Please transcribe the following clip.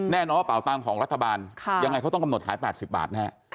แน่นอนว่าเป่าตังค์ของรัฐบาลยังไงเขาต้องกำหนดขาย๘๐บาทแน่